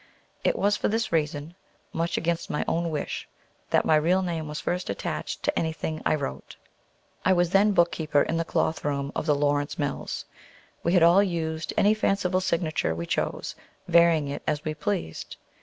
It was for this reason (much against my own wish) that my real name was first attached to anything I wrote. I was then book keeper in the cloth room of the Lawrence Mills. We had all used any fanciful signature we chose, varying it as we pleased.